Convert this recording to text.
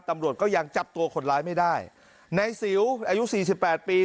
ตำรวจก็ยังจับตัวคนร้ายไม่ได้ในสิวอายุสี่สิบแปดปี